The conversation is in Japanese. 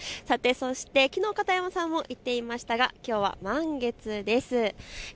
さて、そしてきのう、片山さんも言っていましたがきょうは満月です。